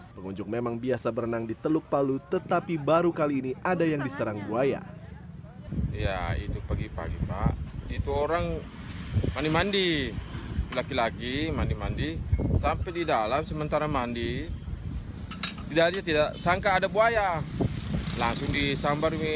pengunjung memang biasa berenang di teluk palu tetapi baru kali ini ada yang diserang buaya